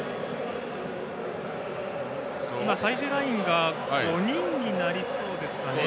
最終ラインが５人になりそうですかね。